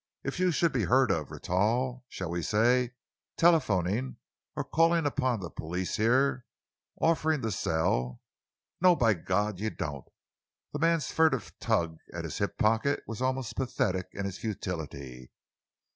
If you should be heard of, Rentoul, shall we say telephoning, or calling upon the police here, offering to sell No, by God, you don't!" The man's furtive tug at his hip pocket was almost pathetic in its futility.